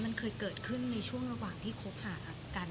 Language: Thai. มันเคยเกิดขึ้นในช่วงระหว่างที่คบหากัน